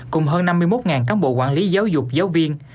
cùng hơn năm mươi một cán bộ quản lý giáo dục giáo viên